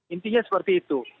intinya seperti itu